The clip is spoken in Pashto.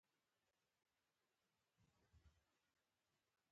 هغه نور هم لاندې راغلل او په خټو کې.